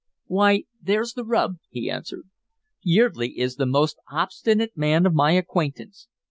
"Why, there's the rub," he answered. "Yeardley is the most obstinate man of my acquaintance.